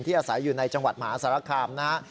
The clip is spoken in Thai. อาศัยอยู่ในจังหวัดมหาสารคามนะฮะ